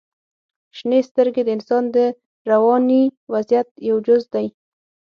• شنې سترګې د انسان د رواني وضعیت یو جز دی.